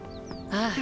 ああ。